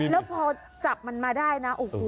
แล้วพอจับมันมาได้นะโอ้โห